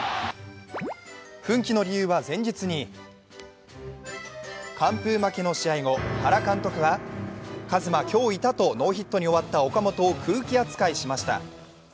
奮起の理由は前日に、完封負けの試合後、原監督は、和真今日いた？とノーヒットに終わった岡本を空気扱い。